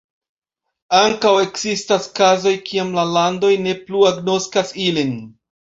Ankaŭ ekzistas kazoj kiam la landoj ne plu agnoskas ilin.